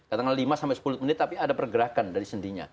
kadang lima sepuluh menit tapi ada pergerakan dari sendinya